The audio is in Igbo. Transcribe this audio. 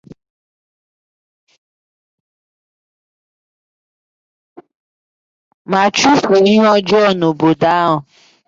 ma chụfuo ihe ọjọọ n'obodo ahụ